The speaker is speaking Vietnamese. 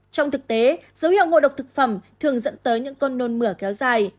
trong thực tế dấu hiệu ngộ độc thực phẩm thường dẫn tới những cơn nôn mửa kéo dài